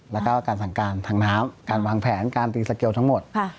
แล้วก็การสั่งการทางน้ำการวางแผนการตีสเกลทั้งหมด